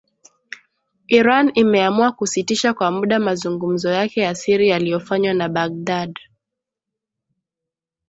Iran imeamua kusitisha kwa muda mazungumzo yake ya siri yaliyofanywa na Baghdad